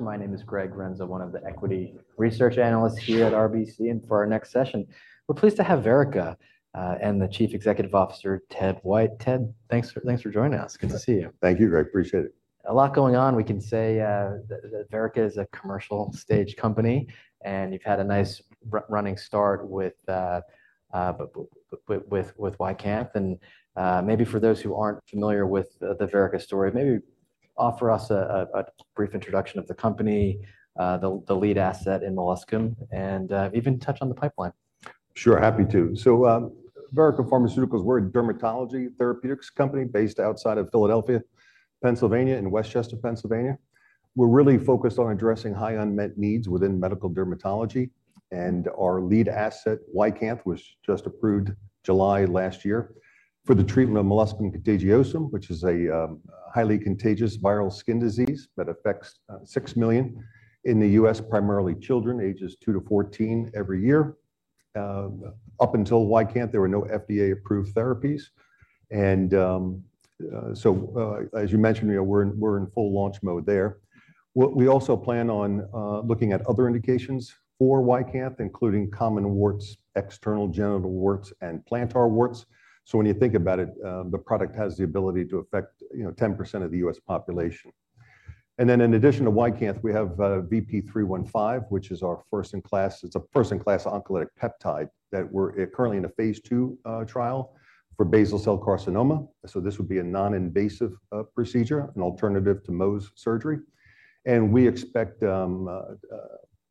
My name is Greg Renza, one of the equity research analysts here at RBC. For our next session, we're pleased to have Verrica, and the Chief Executive Officer, Ted White. Ted, thanks for, thanks for joining us. Good to see you. Thank you, Greg. Appreciate it. A lot going on. We can say that Verrica is a commercial stage company, and you've had a nice running start with YCANTH. Maybe for those who aren't familiar with the Verrica story, maybe offer us a brief introduction of the company, the lead asset in Molluscum, and even touch on the pipeline. Sure, happy to. So, Verrica Pharmaceuticals, we're a dermatology therapeutics company based outside of Philadelphia, Pennsylvania, in West Chester, Pennsylvania. We're really focused on addressing high unmet needs within medical dermatology, and our lead asset, YCANTH, was just approved July last year for the treatment of molluscum contagiosum, which is a highly contagious viral skin disease that affects 6 million in the U.S., primarily children, ages two to 14 every year. Up until YCANTH, there were no FDA-approved therapies, and so, as you mentioned, you know, we're in full launch mode there. We also plan on looking at other indications for YCANTH, including common warts, external genital warts, and plantar warts. So when you think about it, the product has the ability to affect, you know, 10% of the U.S. population. In addition to YCANTH, we have VP-315, which is our first-in-class. It's a first-in-class oncolytic peptide that we're currently in a phase II trial for basal cell carcinoma. So this would be a non-invasive procedure, an alternative to Mohs surgery. And we expect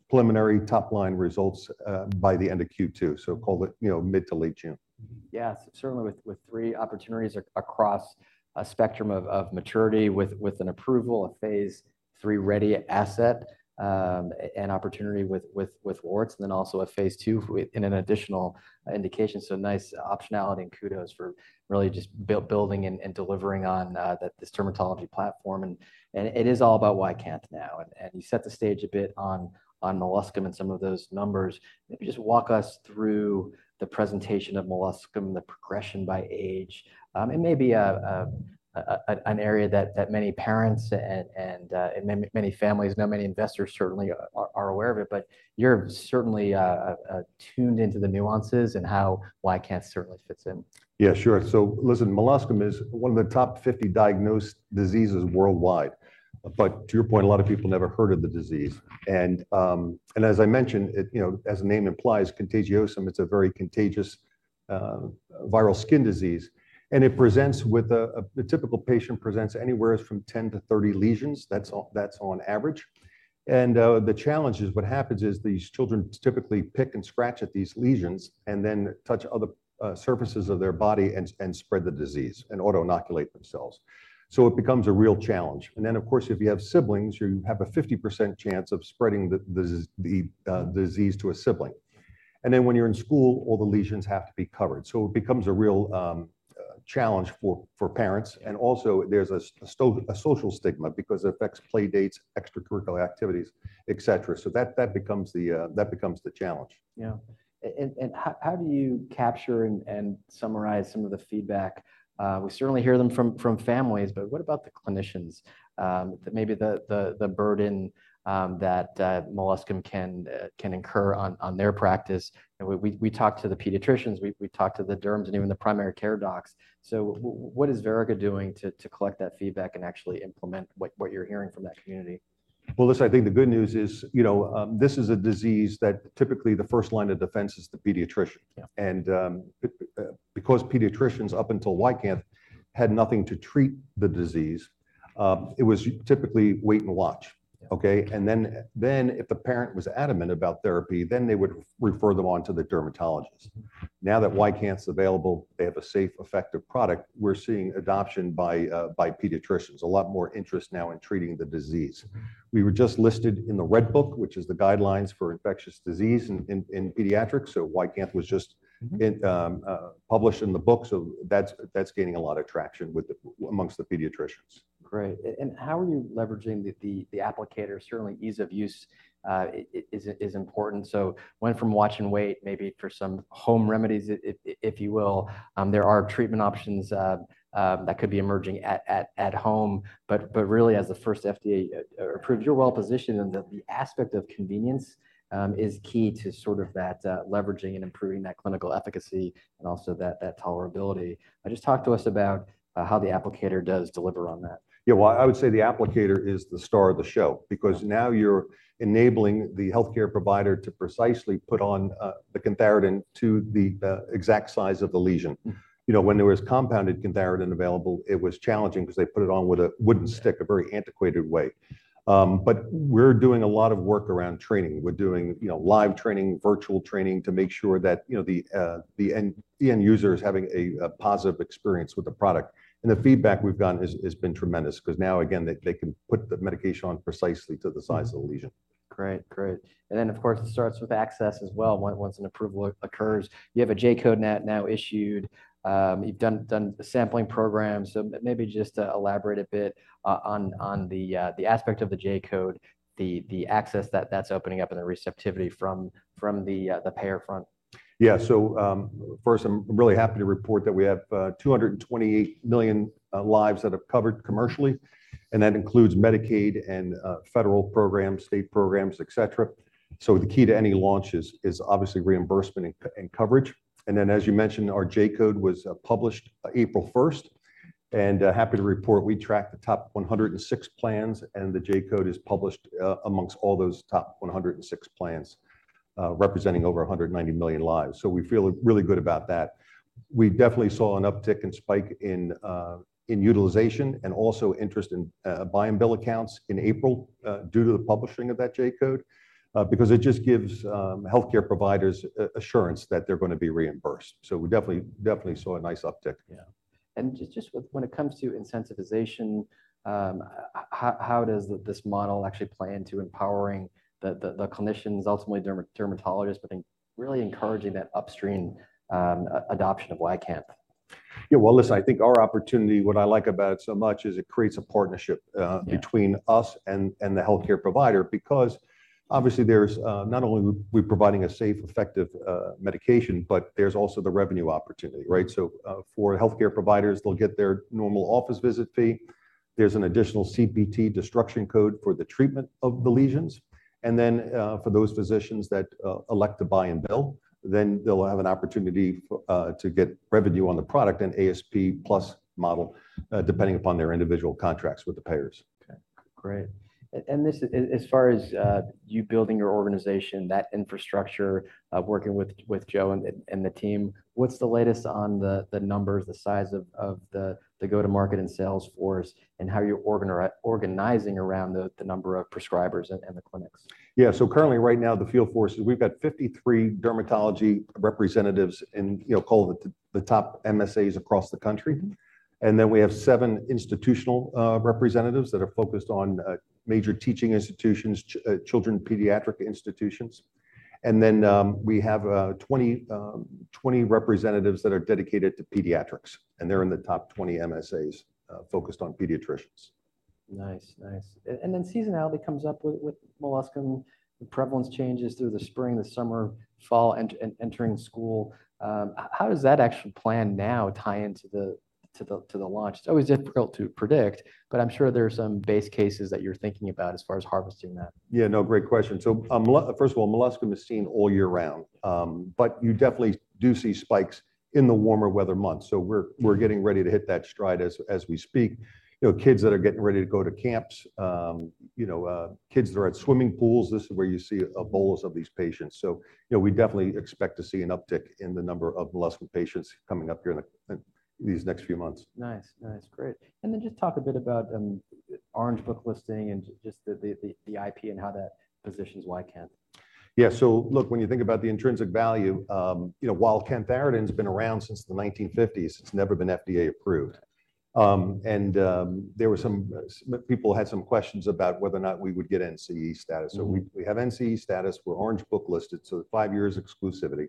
preliminary top-line results by the end of Q2, so call it, you know, mid to late June. Yes, certainly with three opportunities across a spectrum of maturity, with an approval, a phase III-ready asset, an opportunity with warts, and then also a phase II in an additional indication. So nice optionality and kudos for really just building and delivering on this dermatology platform. And it is all about YCANTH now, and you set the stage a bit on molluscum and some of those numbers. Maybe just walk us through the presentation of molluscum, the progression by age. It may be an area that many parents and many families know, many investors certainly are aware of it, but you're certainly tuned into the nuances and how YCANTH certainly fits in. Yeah, sure. So listen, molluscum is one of the top 50 diagnosed diseases worldwide. But to your point, a lot of people never heard of the disease. And as I mentioned, it, you know, as the name implies, contagiosum, it's a very contagious viral skin disease. And it presents with a, a... The typical patient presents anywhere from 10 lesions-30 lesions. That's on average. And the challenge is, what happens is these children typically pick and scratch at these lesions and then touch other surfaces of their body and spread the disease, and auto-inoculate themselves. So it becomes a real challenge. And then, of course, if you have siblings, you have a 50% chance of spreading the disease to a sibling. And then when you're in school, all the lesions have to be covered. So it becomes a real challenge for parents. And also, there's a social stigma because it affects playdates, extracurricular activities, etc. So that becomes the challenge. Yeah. And how do you capture and summarize some of the feedback? We certainly hear them from families, but what about the clinicians that maybe the burden that molluscum can incur on their practice? And we talked to the pediatricians, we talked to the derms, and even the primary care docs. So what is Verrica doing to collect that feedback and actually implement what you're hearing from that community? Well, listen, I think the good news is, you know, this is a disease that typically the first line of defense is the pediatrician. Yeah. Because pediatricians, up until YCANTH, had nothing to treat the disease, it was typically wait and watch. Yeah. Okay? Then, if the parent was adamant about therapy, then they would refer them on to the dermatologist. Now that YCANTH's available, they have a safe, effective product. We're seeing adoption by pediatricians. A lot more interest now in treating the disease. We were just listed in the Red Book, which is the guidelines for infectious disease in pediatrics, so YCANTH was just- Mm-hmm... published in the book, so that's, that's gaining a lot of traction with the, among the pediatricians. Great. And how are you leveraging the applicator? Certainly, ease of use is important, so went from watch and wait, maybe for some home remedies, if you will. There are treatment options that could be emerging at home, but really, as the first FDA-approved, you're well-positioned, and the aspect of convenience is key to sort of that leveraging and improving that clinical efficacy and also that tolerability. Just talk to us about how the applicator does deliver on that. Yeah, well, I would say the applicator is the star of the show- Yeah... because now you're enabling the healthcare provider to precisely put on the cantharidin to the exact size of the lesion. Mm-hmm. You know, when there was compounded cantharidin available, it was challenging because they put it on with a wooden stick, a very antiquated way. But we're doing a lot of work around training. We're doing, you know, live training, virtual training to make sure that, you know, the end user is having a positive experience with the product. And the feedback we've gotten has been tremendous, 'cause now, again, they can put the medication on precisely to the size of the lesion. Mm-hmm. Great, great. And then, of course, it starts with access as well, once an approval occurs. You have a J-code now issued. You've done sampling programs. So maybe just elaborate a bit on the aspect of the J-code, the access that's opening up and the receptivity from the payer front.... Yeah. So, first, I'm really happy to report that we have 228 million lives that have covered commercially, and that includes Medicaid and federal programs, state programs, et cetera. So the key to any launch is obviously reimbursement and coverage. And then, as you mentioned, our J-code was published April first, and happy to report we tracked the top 106 plans, and the J-code is published amongst all those top 106 plans, representing over 190 million lives. So we feel really good about that. We definitely saw an uptick in spike in, in utilization and also interest in, buy-and-bill accounts in April, due to the publishing of that J-code, because it just gives, healthcare providers assurance that they're going to be reimbursed. So we definitely, definitely saw a nice uptick. Yeah. And just with when it comes to incentivization, how does this model actually play into empowering the clinicians, ultimately dermatologists, but then really encouraging that upstream adoption of YCANTH? Yeah, well, listen, I think our opportunity, what I like about it so much is it creates a partnership. Yeah... between us and, and the healthcare provider, because obviously, there's, not only we providing a safe, effective, medication, but there's also the revenue opportunity, right? So, for healthcare providers, they'll get their normal office visit fee. There's an additional CPT destruction code for the treatment of the lesions. And then, for those physicians that, elect to buy and bill, then they'll have an opportunity for, to get revenue on the product and ASP plus model, depending upon their individual contracts with the payers. Okay, great. As far as you building your organization, that infrastructure, working with Joe and the team, what's the latest on the numbers, the size of the go-to-market and sales force, and how you're organizing around the number of prescribers and the clinics? Yeah, so currently, right now, the field force is we've got 53 dermatology representatives in, you know, call it the top MSAs across the country. Mm-hmm. And then we have seven institutional representatives that are focused on major teaching institutions, children, pediatric institutions. And then we have 20 representatives that are dedicated to pediatrics, and they're in the top 20 MSAs focused on pediatricians. Nice. Nice. And then seasonality comes up with molluscum. The prevalence changes through the spring, the summer, fall, and entering school. How does that actually plan now tie into the launch? It's always difficult to predict, but I'm sure there are some base cases that you're thinking about as far as harvesting that. Yeah, no, great question. So, first of all, molluscum is seen all year round, but you definitely do see spikes in the warmer weather months. So we're getting ready to hit that stride as we speak. You know, kids that are getting ready to go to camps, you know, kids that are at swimming pools, this is where you see a bolus of these patients. So, you know, we definitely expect to see an uptick in the number of molluscum patients coming up here in these next few months. Nice. Nice. Great. And then just talk a bit about Orange Book listing and just the IP and how that positions YCANTH. Yeah. So look, when you think about the intrinsic value, you know, while cantharidin has been around since the 1950s, it's never been FDA approved. And there were some people who had some questions about whether or not we would get NCE status. Mm-hmm. So we have NCE status. We're Orange Book listed, so five years exclusivity.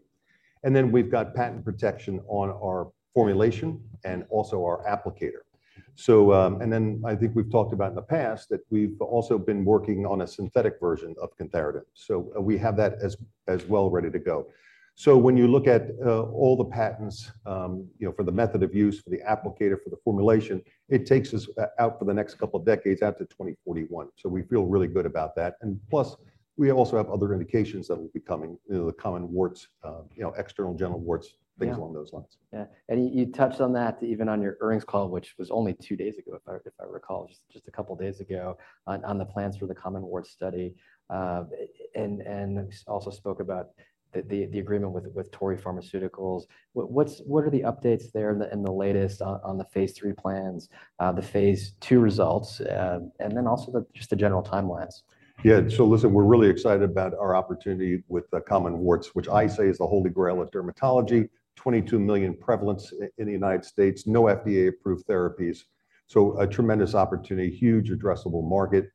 And then we've got patent protection on our formulation and also our applicator. So, and then I think we've talked about in the past that we've also been working on a synthetic version of cantharidin. So we have that as well, ready to go. So when you look at all the patents, you know, for the method of use, for the applicator, for the formulation, it takes us out for the next couple of decades, out to 2041. So we feel really good about that. And plus, we also have other indications that will be coming, you know, the common warts, you know, external genital warts- Yeah ... things along those lines. Yeah, and you touched on that, even on your earnings call, which was only two days ago, if I recall, just a couple of days ago, on the plans for the common wart study. And also spoke about the agreement with Torii Pharmaceuticals. What are the updates there and the latest on the phase III plans, the phase II results, and then also just the general timelines? Yeah, so listen, we're really excited about our opportunity with the common warts, which I say is the holy grail of dermatology, 22 million prevalence in the United States, no FDA-approved therapies. So a tremendous opportunity, huge addressable market.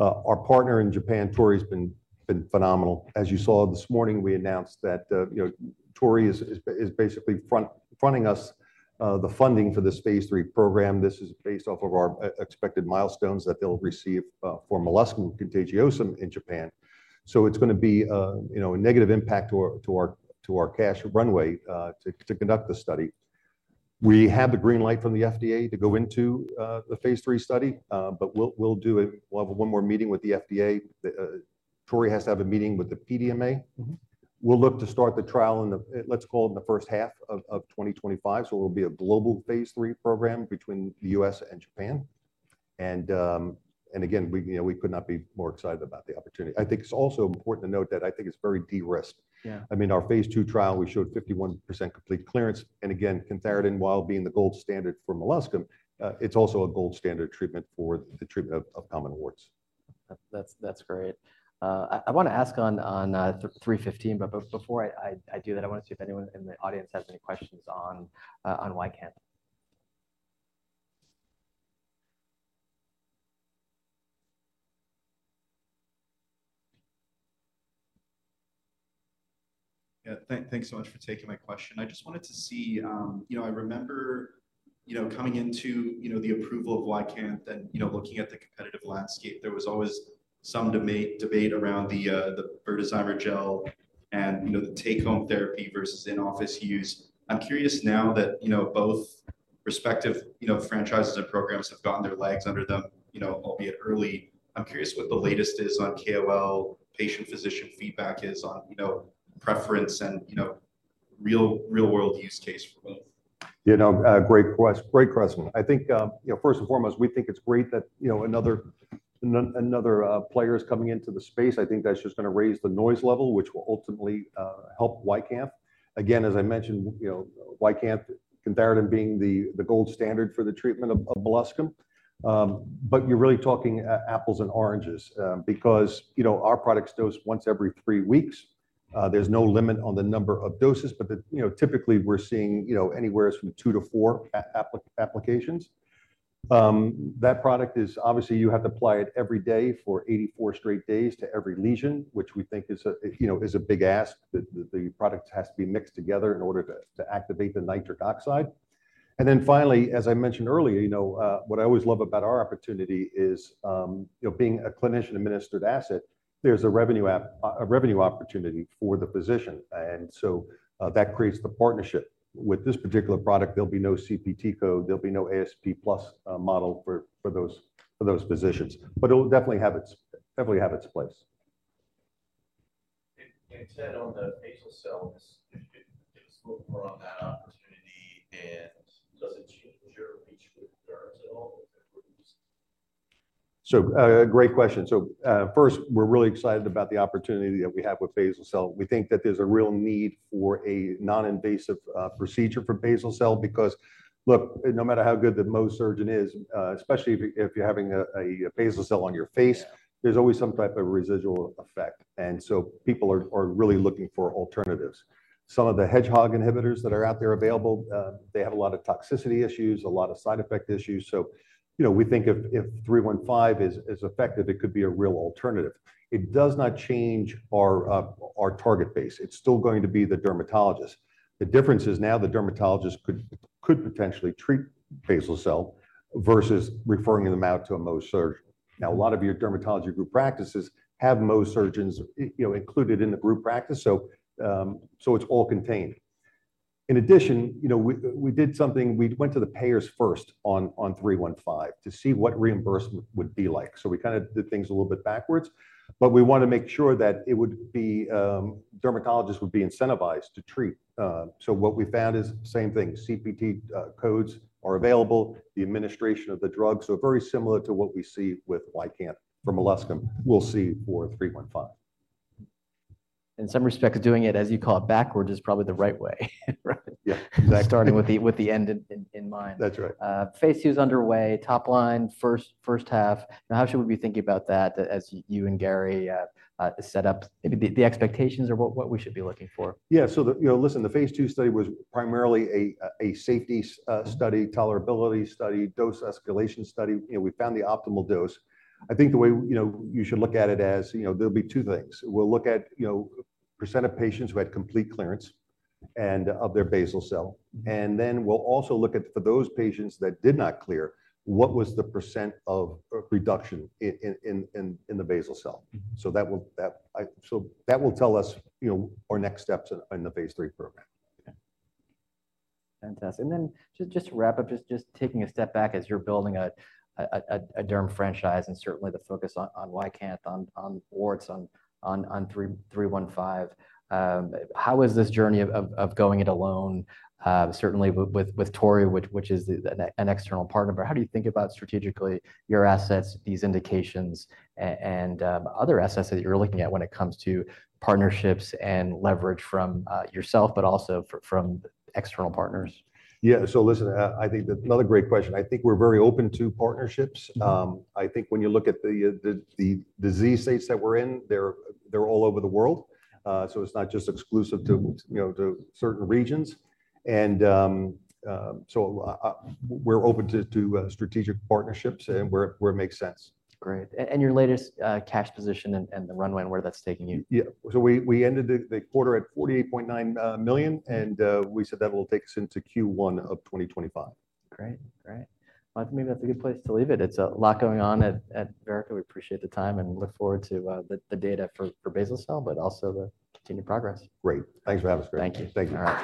Our partner in Japan, Torii, has been phenomenal. As you saw this morning, we announced that, you know, Torii is basically fronting us the funding for this phase III program. This is based off of our expected milestones that they'll receive for molluscum contagiosum in Japan. So it's going to be, you know, a negative impact to our cash runway to conduct the study. We have the green light from the FDA to go into the phase III study, but we'll do it. We'll have one more meeting with the FDA. The Torii has to have a meeting with the PMDA. Mm-hmm. We'll look to start the trial in the, let's call it, first half of 2025, so it'll be a global phase III program between the U.S. and Japan. And again, we, you know, we could not be more excited about the opportunity. I think it's also important to note that I think it's very de-risked. Yeah. I mean, our phase II trial, we showed 51% complete clearance. And again, cantharidin, while being the gold standard for molluscum, it's also a gold standard treatment for the treatment of common warts. That's, that's great. I want to ask on 315, but before I do that, I want to see if anyone in the audience has any questions on YCANTH. Yeah, thanks so much for taking my question. I just wanted to see, you know, I remember-... you know, coming into, you know, the approval of YCANTH and, you know, looking at the competitive landscape, there was always some debate around the, the berdazimer gel and, you know, the take-home therapy versus in-office use. I'm curious now that, you know, both respective, you know, franchises and programs have gotten their legs under them, you know, albeit early. I'm curious what the latest is on KOL, patient-physician feedback is on, you know, preference and, you know, real, real-world use case for both? You know, great question. I think, you know, first and foremost, we think it's great that, you know, another player is coming into the space. I think that's just going to raise the noise level, which will ultimately help YCANTH. Again, as I mentioned, you know, YCANTH compared to being the gold standard for the treatment of molluscum. But you're really talking apples and oranges, because, you know, our products dose once every three weeks. There's no limit on the number of doses, but you know, typically we're seeing, you know, anywhere from two-four applications. That product is obviously, you have to apply it every day for 84 straight days to every lesion, which we think is, you know, a big ask, the product has to be mixed together in order to activate the nitric oxide. And then finally, as I mentioned earlier, you know, what I always love about our opportunity is, you know, being a clinician-administered asset, there's a revenue a revenue opportunity for the physician, and so, that creates the partnership. With this particular product, there'll be no CPT code, there'll be no ASP plus model for those physicians, but it'll definitely have its place. You said on the basal cell, give us a little more on that opportunity, and does it change your reach with derms at all? So, great question. So, first, we're really excited about the opportunity that we have with basal cell. We think that there's a real need for a non-invasive procedure for basal cell because, look, no matter how good the Mohs surgeon is, especially if you're having a basal cell on your face, there's always some type of residual effect, and so people are really looking for alternatives. Some of the hedgehog inhibitors that are out there available, they have a lot of toxicity issues, a lot of side effect issues. So, you know, we think if 315 is effective, it could be a real alternative. It does not change our target base. It's still going to be the dermatologist. The difference is now the dermatologist could potentially treat basal cell versus referring them out to a Mohs surgeon. Now, a lot of your dermatology group practices have Mohs surgeons, you know, included in the group practice, so it's all contained. In addition, you know, we did something, we went to the payers first on 315 to see what reimbursement would be like. So we kind of did things a little bit backwards, but we want to make sure that it would be dermatologists would be incentivized to treat. So what we found is same thing, CPT codes are available, the administration of the drug, so very similar to what we see with YCANTH for molluscum, we'll see for 315. In some respects, doing it, as you call it, backwards, is probably the right way, right? Yeah, exactly. Starting with the end in mind. That's right. Phase II is underway, top line first half. Now, how should we be thinking about that, as you and Gary set up the expectations or what we should be looking for? Yeah. So, you know, listen, the phase II study was primarily a safety study, tolerability study, dose escalation study. You know, we found the optimal dose. I think the way, you know, you should look at it as, you know, there'll be two things. We'll look at, you know, percentage of patients who had complete clearance and of their basal cell, and then we'll also look at for those patients that did not clear, what was the % of reduction in the basal cell? Mm-hmm. So that will tell us, you know, our next steps in the phase III program. Okay. Fantastic. And then just to wrap up, just taking a step back as you're building a derm franchise and certainly the focus on YCANTH, on VP-315, how is this journey of going it alone, certainly with Torii, which is an external partner, but how do you think about strategically your assets, these indications, and other assets that you're looking at when it comes to partnerships and leverage from yourself, but also from external partners? Yeah. So listen, I think that another great question. I think we're very open to partnerships. Mm-hmm. I think when you look at the disease states that we're in, they're all over the world. So it's not just exclusive to- Mm-hmm... you know, to certain regions. We're open to strategic partnerships and where it makes sense. Great. And your latest cash position and the runway and where that's taking you? Yeah. So we ended the quarter at $48.9 million, and we said that will take us into Q1 of 2025. Great. Great. Well, I think maybe that's a good place to leave it. It's a lot going on at Verrica. We appreciate the time and look forward to the data for basal cell, but also the continued progress. Great. Thanks for having us, Greg. Thank you. Thank you. Alright.